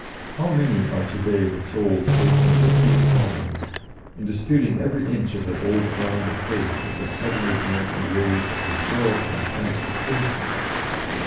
How many are to day the souls facing just these problems, and disputing every inch of their old ground of faith with the steadily advancing waves of historical and scientific criticism!